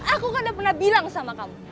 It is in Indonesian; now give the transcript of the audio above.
aku kan udah pernah bilang sama kamu